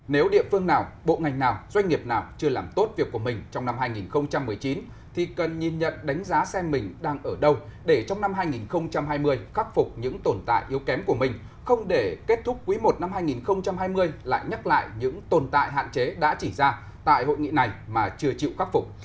nếu địa phương nào bộ ngành nào doanh nghiệp nào chưa làm tốt việc của mình trong năm hai nghìn một mươi chín thì cần nhìn nhận đánh giá xem mình đang ở đâu để trong năm hai nghìn hai mươi khắc phục những tồn tại yếu kém của mình không để kết thúc quý i năm hai nghìn hai mươi lại nhắc lại những tồn tại hạn chế đã chỉ ra tại hội nghị này mà chưa chịu khắc phục